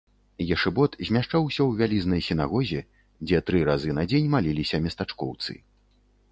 Ешыбот змяшчаўся ў вялізнай сінагозе, дзе тры разы на дзень маліліся местачкоўцы.